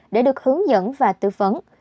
một trăm một mươi năm để được hướng dẫn và tư phấn